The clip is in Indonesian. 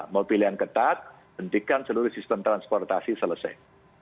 mau pilihan ketat hentikan seluruh sistem transportasi selesai